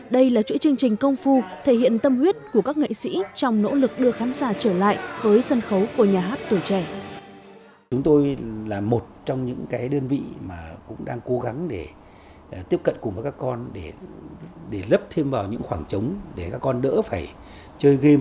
đây là chuỗi chương trình công phu thể hiện tâm huyết của các nghệ sĩ trong nỗ lực đưa khán giả trở lại với sân khấu của nhà hát tuổi trẻ